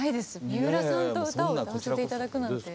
三浦さんと歌を歌わせて頂くなんて。